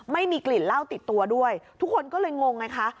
ไม่มีกลิ่นเหล้าติดตัวด้วยทุกคนก็เลยงงไงคะ